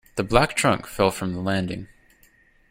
The black trunk fell from the landing.